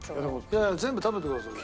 いやいや全部食べてくださいよ。